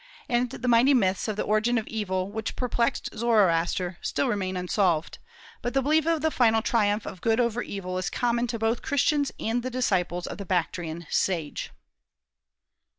And the mighty myths of the origin of evil, which perplexed Zoroaster, still remain unsolved; but the belief of the final triumph of good over evil is common to both Christians and the disciples of the Bactrian sage.